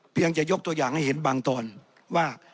ยังจะยกตัวอย่างให้เห็นบางตอนว่า